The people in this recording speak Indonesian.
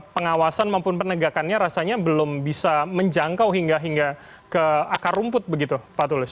pengawasan maupun penegakannya rasanya belum bisa menjangkau hingga hingga ke akar rumput begitu pak tulus